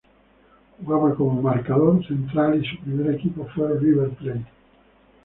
Jugaba como marcador central y su primer equipo fue River Plate.